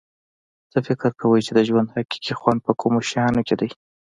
څه فکر کوی چې د ژوند حقیقي خوند په کومو شیانو کې ده